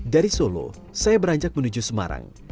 dari solo saya beranjak menuju semarang